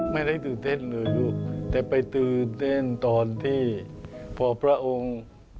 ไม่ได้ตื่นเต้นเลยลูกแต่ไปตื่นเต้นตอนที่พอพระองค์